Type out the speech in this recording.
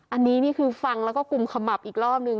อันนี้นี่คือฟังแล้วก็กุมขมับอีกรอบนึง